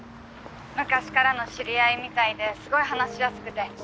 昔からの知り合いみたいですごい話しやすくて。